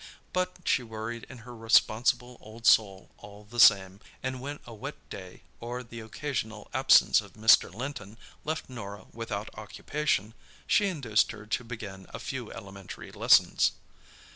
But she worried in her responsible old soul all the same; and when a wet day or the occasional absence of Mr. Linton left Norah without occupation, she induced her to begin a few elementary lessons.